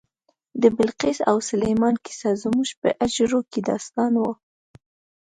د بلقیس او سلیمان کیسه زموږ په حجرو کې داستان و.